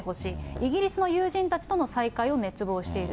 イギリスの友人たちとの再会を熱望している。